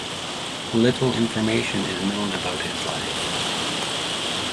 Little information is known about his life.